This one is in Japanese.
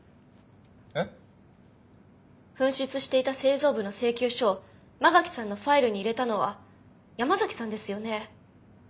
えっ？紛失していた製造部の請求書を馬垣さんのファイルに入れたのは山崎さんですよね？